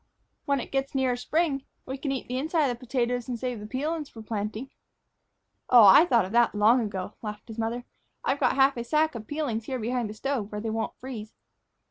"When it gets nearer spring, we c'n eat the inside of the potatoes and save the peelin's for plantin'." "Oh, I thought of that long ago," laughed his mother; "I've got half a sack of peelings here behind the stove where they won't freeze."